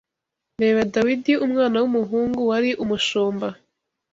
Reba Dawidi umwana w’umuhungu wari umushumba